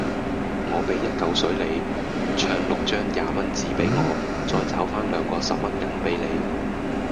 我俾一舊水你，唱六張廿蚊紙俾我，再找返兩個十蚊銀俾你